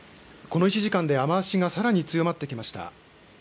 この１時間で雨足がさらに強まってきました。